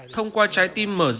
thông qua trái tim mở rác thải